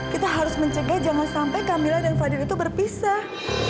kita harus mencegah jangan sampai camilla dan fadil itu berpisah